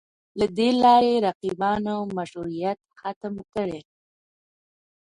له دې لارې رقیبانو مشروعیت ختم کړي